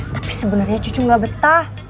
tapi sebenernya cucu gak betah